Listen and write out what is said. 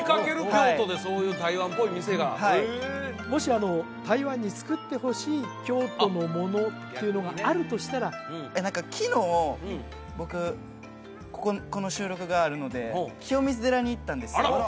京都でそういう台湾っぽい店がはいもしあの台湾につくってほしい京都のものっていうのがあるとしたら昨日僕この収録があるので清水寺に行ったんですよあら！